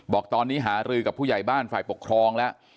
บอกตอนนี้หารือกับผู้ใหญ่บ้านฝ่ายปกครองแล้ว